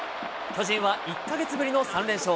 巨人は１か月ぶりの３連勝。